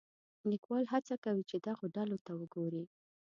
لیکوال هڅه کوي چې دغو ډلو ته وګوري.